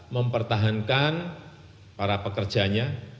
mempertahankan para pekerjanya